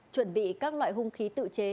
chuẩn bị các loại hung khí tự chế